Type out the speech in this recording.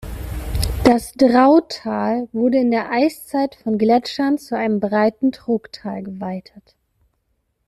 Das Drautal wurde in der Eiszeit von Gletschern zu einem breiten Trogtal geweitet.